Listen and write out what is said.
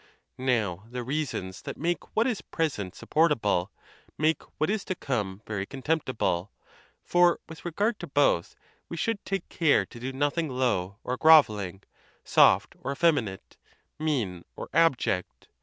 Now, the reasons that make what is present sup portable, make what is to come very contemptible; for, with regard to both, we should take care to do nothing low or grovelling, soft or effeminate, mean or abject.